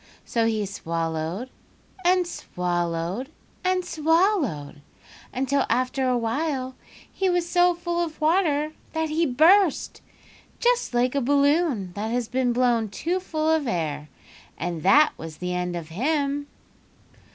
"So he swallowed, and swallowed, and SWALLOWED until after awhile he was so full of water that he burst, just like a balloon that has been blown too full of air; and that was the end of him.